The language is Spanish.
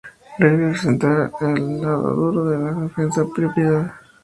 representar el lado duro de la defensa de la propiedad